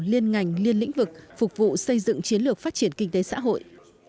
liên ngành liên lĩnh vực phục vụ xây dựng chiến lược phát triển kinh tế xã hội